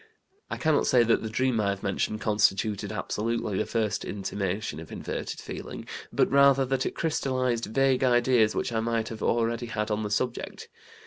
"I cannot say that the dream I have mentioned constituted absolutely the first intimation of inverted feeling, but rather that it crystallized vague ideas which I might have already had on the subject.